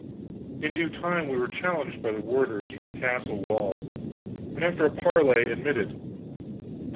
In due time we were challenged by the warders, from the castle walls, and after a parley admitted.